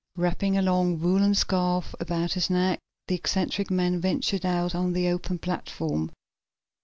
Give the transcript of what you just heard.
Wrapping a long, woolen scarf about his neck, the eccentric man ventured out on the open platform.